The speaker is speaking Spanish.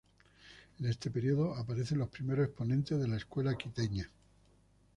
En este período aparecen los primeros exponentes de la Escuela Quiteña.